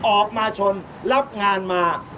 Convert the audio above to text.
ออกมาชนรับงานมา